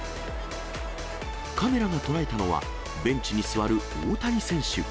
カメラが捉えたのは、ベンチに座る大谷選手。